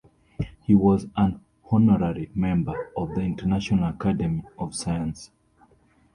He was an honorary member of the International Academy of Science.